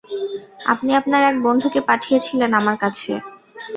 আপনি আপনার এক বন্ধুকে পাঠিয়েছিলেন আমার কাছে।